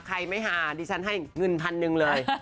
ใครไม่หาดิฉันให้เงินพันหนึ่งเลย